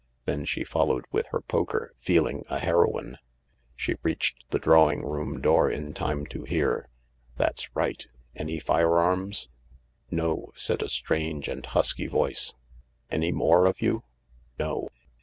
Then she followed with her poker, feeling a heroine. She reached the drawing room door in time to hear :" That's right. Any firearms ?" "No," said a strange and husky voice. " Any more of you ?" "No."